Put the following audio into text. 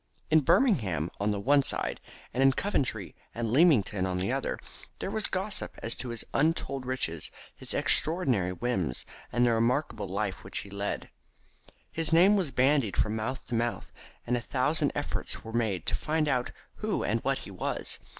In Birmingham on the one side, and in Coventry and Leamington on the other, there was gossip as to his untold riches, his extraordinary whims, and the remarkable life which he led. His name was bandied from mouth to mouth, and a thousand efforts were made to find out who and what he was.